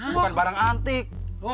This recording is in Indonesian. bukan barang antik